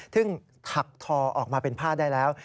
ซึ่งถักทอออกมาเป็นผ้าได้แล้ว